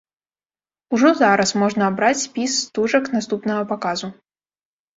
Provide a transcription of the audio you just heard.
Ужо зараз можна абраць спіс стужак наступнага паказу.